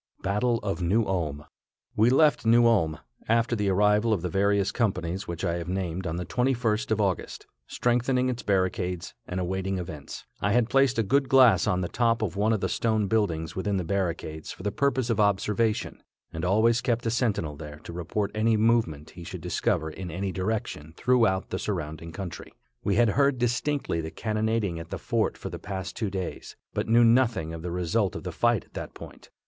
BATTLE OF NEW ULM. We left New Ulm, after the arrival of the various companies which I have named on the 21st of August, strengthening its barricades and awaiting events. I had placed a good glass on the top of one of the stone buildings within the barricades for the purpose of observation, and always kept a sentinel there to report any movement he should discover in any direction throughout the surrounding country. We had heard distinctly the cannonading at the fort for the past two days, but knew nothing of the result of the fight at that point.